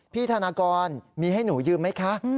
ธนากรมีให้หนูยืมไหมคะ